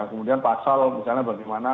kemudian pasal misalnya bagaimana